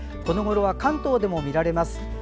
このごろは関東でも見られます。